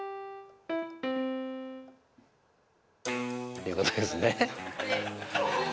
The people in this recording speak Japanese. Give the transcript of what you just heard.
ということですね。